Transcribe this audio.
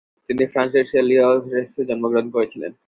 তিনি ফ্রান্সের সেলিয়রেসে জন্মগ্রহণ করেছিলেন।